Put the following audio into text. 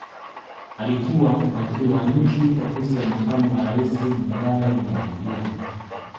Alikuwa Waziri wa Nchi Ofisi ya Makamu wa Rais Muungano na Mazingira